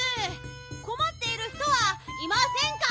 こまっている人はいませんか？